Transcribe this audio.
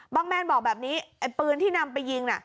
บ้างแมนบอกแบบนี้ไอ้ปืนที่นำไปยิง